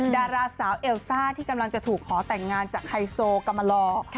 ดาราสาวเอลซ่าที่กำลังจะถูกขอแต่งงานจากไฮโซกรรมลอ